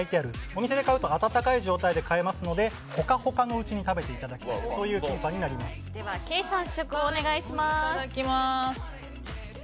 お店で買うと温かい状態で買えますのでホカホカのうちに食べていただきたいというケイさん、試食をお願いします。